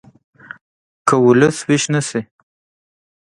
که ولس ویښ نه شي